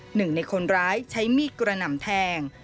หนึ่งในคนร้ายใช้มีดกระหน่ำแทง